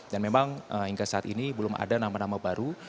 dan memang hingga saat ini belum ada nama nama baru